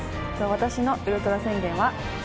私のウルトラ宣言は。